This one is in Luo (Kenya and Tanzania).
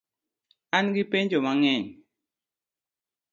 An gi penjo mang'eny